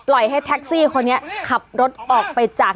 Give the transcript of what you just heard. ให้แท็กซี่คนนี้ขับรถออกไปจาก